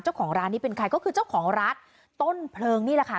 เจ้าของร้านนี้เป็นใครก็คือเจ้าของร้านต้นเพลิงนี่แหละค่ะ